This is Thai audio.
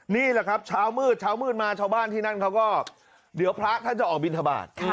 นี่แหละครับเช้ามืดเช้ามืดมาชาวบ้านที่นั่นเขาก็เดี๋ยวพระท่านจะออกบินทบาท